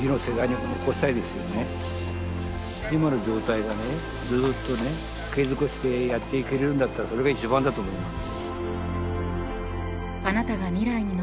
今の状態がねずっと継続してやっていけるんだったらそれが一番だと思います。